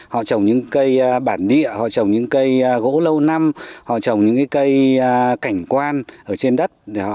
họ trồng những cây bản địa họ trồng những cây gỗ lâu năm họ trồng những cây cảnh quan ở trên đất